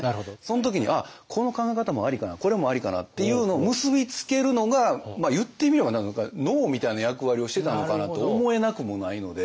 これもありかなっていうのを結び付けるのが言ってみれば脳みたいな役割をしてたのかなと思えなくもないので。